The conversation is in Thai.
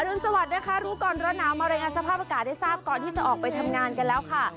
รุนสวัสดิ์นะคะรู้ก่อนร้อนหนาวมารายงานสภาพอากาศให้ทราบก่อนที่จะออกไปทำงานกันแล้วค่ะ